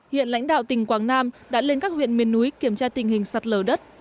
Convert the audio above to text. hiện lãnh đạo tỉnh quảng nam đã lên các huyện miền núi kiểm tra tình hình sạt lở đất